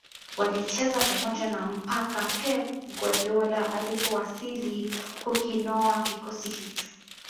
Walicheza pamoja mpaka Pep Guardiola alipowasili kukinoa kikosi hicho